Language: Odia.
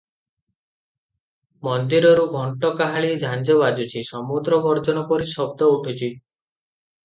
ମନ୍ଦିରରୁ ଘଣ୍ଟ କାହାଳି ଝାଞ୍ଜ ବାଜୁଛି, ସମୁଦ୍ର ଗର୍ଜନ ପରି ଶବ୍ଦ ଉଠୁଛି ।